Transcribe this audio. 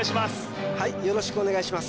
よろしくお願いします